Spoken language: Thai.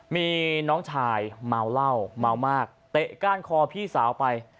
มีน้องชายเมาเหล้าเมามากเตะก้านคอพี่สาวไป